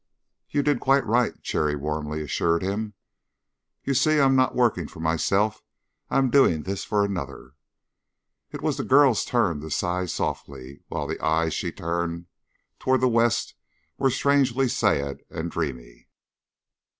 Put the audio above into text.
"You did quite right," Cherry warmly assured him. "You see, I am not working for myself; I am doing this for another." It was the girl's turn to sigh softly, while the eyes she turned toward the west were strangely sad and dreamy.